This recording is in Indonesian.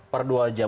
per dua jam